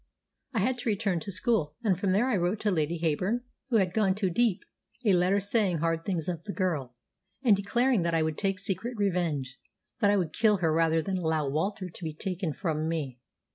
I had to return to school, and from there I wrote to Lady Heyburn, who had gone to Dieppe, a letter saying hard things of the girl, and declaring that I would take secret revenge that I would kill her rather than allow Walter to be taken from me.